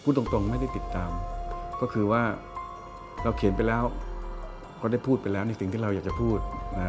ตรงไม่ได้ติดตามก็คือว่าเราเขียนไปแล้วก็ได้พูดไปแล้วในสิ่งที่เราอยากจะพูด